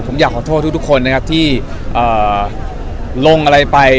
ผมอยากขอโทษทุกคนนะครับที่ลงอะไรไป